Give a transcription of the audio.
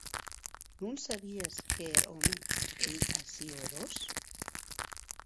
Non sabies qu’er òme ei aciu erós?